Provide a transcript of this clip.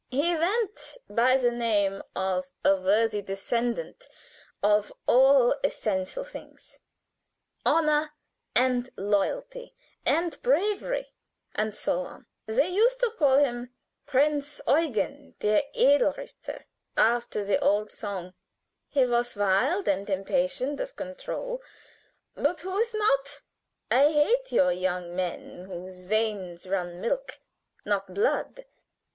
"He went by the name of a worthy descendant of all essential things: honor and loyalty and bravery, and so on. They used to call him Prinz Eugen, der edle Ritter, after the old song. He was wild and impatient of control, but who is not? I hate your young men whose veins run milk, not blood.